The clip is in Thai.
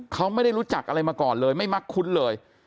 เขาไม่ได้รู้จักอะไรมาก่อนเลยไม่มักคุ้นเลย